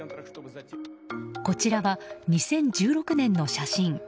こちらは２０１６年の写真。